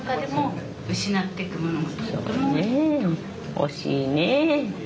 惜しいねえ。